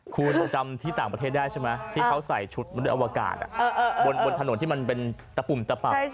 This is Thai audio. ขอสะพานหน่อยเขาใส่ชุดมันต้วยอัวการบนถนนที่มันเป็นตะปุ่มตะปาบ